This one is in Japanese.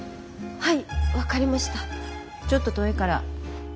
はい。